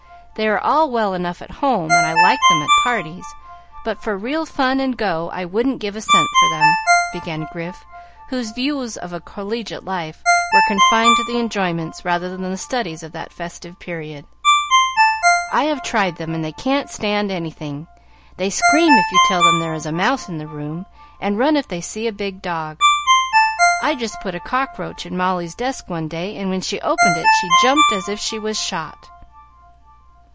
They are all well enough at home, and I like them at parties, but for real fun and go I wouldn't give a cent for them," began Grif, whose views of a collegiate life were confined to the enjoyments rather than the studies of that festive period. "I have tried them, and they can't stand anything. They scream if you tell them there is a mouse in the room, and run if they see a big dog. I just put a cockroach in Molly's desk one day, and when she opened it she jumped as if she was shot."